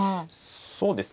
そうですね。